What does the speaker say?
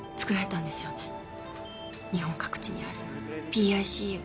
日本各地にあるＰＩＣＵ。